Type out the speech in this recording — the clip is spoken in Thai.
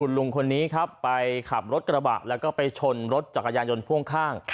ลุงคนนี้ครับไปขับรถกระบะแล้วก็ไปชนรถจักรยานยนต์พ่วงข้าง